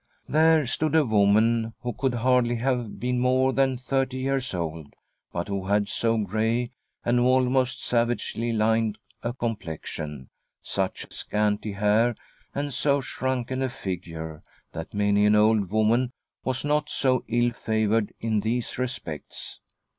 There stood a woman who could hardly have been more than thirty years old, but who had so grey and almost savagely lined a complexion, such scanty hair and so shrunken a figure, that many an old woman was not so ill favoured in these respects.